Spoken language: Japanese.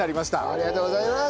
ありがとうございます！